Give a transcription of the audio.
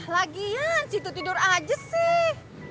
lagian situ tidur aja sih